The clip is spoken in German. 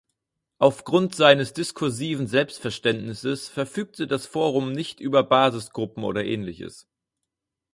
Aufgrund seines diskursiven Selbstverständnisses verfügte das Forum nicht über Basisgruppen oder ähnliches.